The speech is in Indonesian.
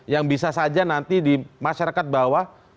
yang bisa saja nanti di masyarakat bawah